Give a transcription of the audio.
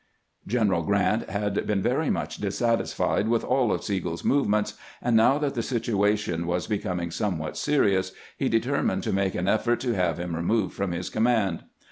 Gen eral Grant had been very much dissatisfied with all of Sigel's movements, and now that the situation was be coming somewhat serious, he determined to make an effort to have him removed from his command.